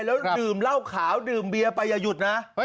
แล้วดื่มเหล้าขาวดื่มเบียร์ไปอย่าหยุดนะ